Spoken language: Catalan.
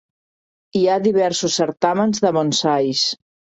Hi ha diversos certàmens de bonsais.